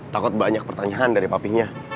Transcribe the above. takut banyak pertanyaan dari papinya